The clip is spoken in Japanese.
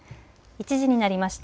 １時になりました。